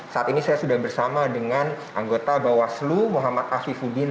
saat ini saya sudah bersama dengan anggota bawaslu muhammad afifuddin